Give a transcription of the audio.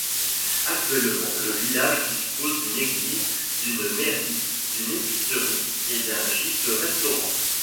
Actuellement, le village dispose d'une église, d'une mairie, d'une épicerie et d'un gîte-restaurant.